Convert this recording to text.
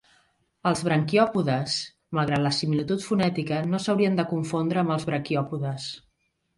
Els branquiòpodes, malgrat la similitud fonètica, no s'haurien de confondre amb els braquiòpodes.